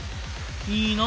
いいな！